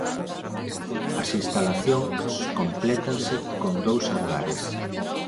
As instalacións complétanse con dous hangares.